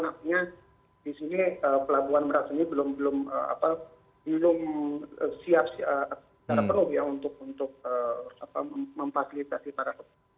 dan akhirnya di sini pelabuhan merak ini belum siap secara penuh untuk memfasilitasi para